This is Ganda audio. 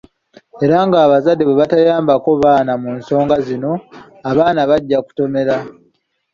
Era ng'abazadde bwe batayambako baana mu nsonga zino, abaana bajja kutomera.